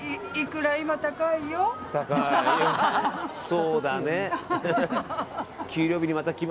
そうだね。